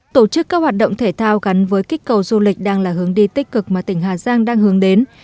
tổ chức các hoạt động thể thao gắn với kích cầu du lịch đang là hướng đi tích cực mà tỉnh hà giang đang hướng đến